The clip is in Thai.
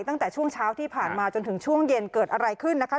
ตั้งแต่ช่วงเช้าที่ผ่านมาจนถึงช่วงเย็นเกิดอะไรขึ้นนะคะ